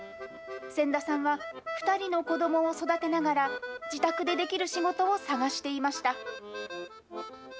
仙田さんは、２人の子どもを育てながら、自宅でできる仕事を探していました。